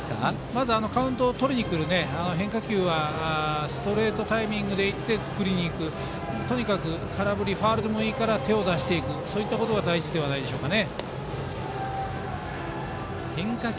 まずカウントをとりにくる変化球はストレートのタイミングで振りにいくとにかく空振り、ファウルでもいいから手を出していくそういったことが大事ではないでしょうか。